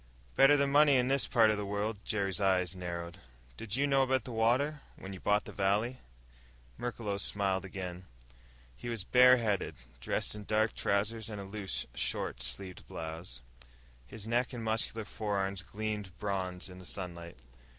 "Better than money, in this part of the world." Jerry's eyes narrowed. "Did you know about the water when you bought the valley?" Merklos smiled again. He was bare headed, dressed in dark trousers and a loose, short sleeved blouse. His neck and muscular forearms gleamed bronze in the sunlight.